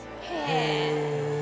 へえ。